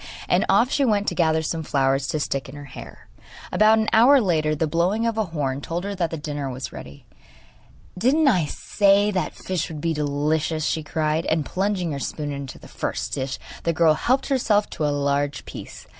And off she went to gather some flowers to stick in her hair. About an hour later the blowing of a horn told her that dinner was ready. 'Didn't I say that fish would be delicious?' she cried; and plunging her spoon into the dish the girl helped herself to a large piece.